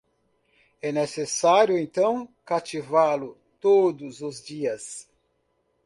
É necessário, então, cativá-lo todos os dias.